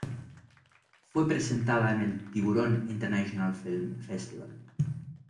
Fue presentada en el Tiburón International Film Festival.